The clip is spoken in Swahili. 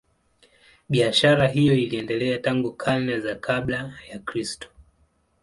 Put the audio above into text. Biashara hiyo iliendelea tangu karne za kabla ya Kristo.